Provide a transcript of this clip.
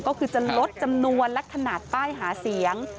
ก็คือจะลดจำนวนและขนาดป้ายหาเสียง